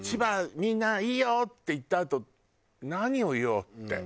みんないいよ！」って言ったあと何を言おうって。